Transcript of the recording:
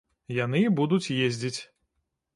Яны і будуць ездзіць.